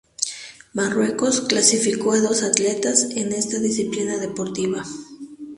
Marruecos clasificó a dos atletas en esta disciplina deportiva.